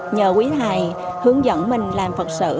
nhờ quý thầy hướng dẫn mình làm phật sự